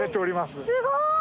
すごい。